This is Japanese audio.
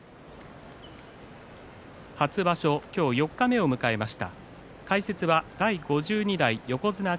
初場所、四日目を迎えました。